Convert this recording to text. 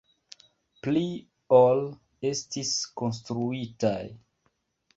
Pli ol estis konstruitaj.